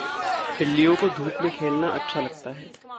बिल्लियों को धूप में खेलना अच्छा लगता है।